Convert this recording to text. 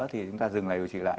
thì chúng ta dừng lại điều trị lại